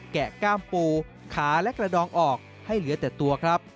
แกะก้ามปูขาและกระดองออกให้เหลือแต่ตัวครับ